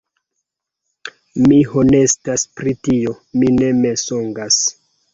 Mi honestas pri tio; mi ne mensogas